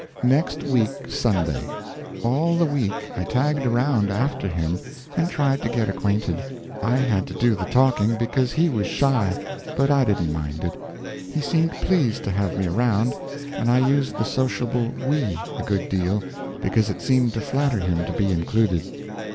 NEXT WEEK SUNDAY. All the week I tagged around after him and tried to get acquainted. I had to do the talking, because he was shy, but I didn't mind it. He seemed pleased to have me around, and I used the sociable "we" a good deal, because it seemed to flatter him to be included.